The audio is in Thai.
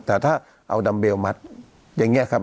แต่ถ้าเอาดัมเบลมัดอย่างนี้ครับ